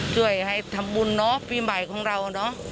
ช่วยให้ทำบุญปีใหม่ของเรา